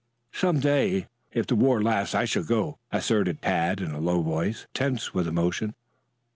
"Some day, if the war lasts, I shall go," asserted Tad in a low voice, tense with emotion.